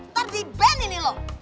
ntar di ban ini lo